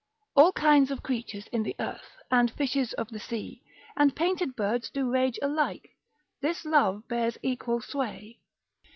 All kind of creatures in the earth, And fishes of the sea, And painted birds do rage alike; This love bears equal sway.